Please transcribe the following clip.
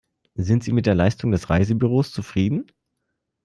Sind Sie mit der Leistung des Reisebüros zufrieden?